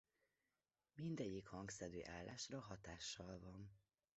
Mindegyik hangszedő állásra hatással van.